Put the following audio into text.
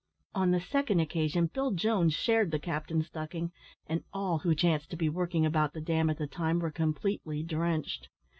On the second occasion, Bill Jones shared the captain's ducking, and all who chanced to be working about the dam at the time were completely drenched.